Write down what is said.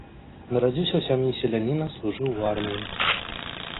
Нарадзіўся ў сям'і селяніна, служыў у арміі.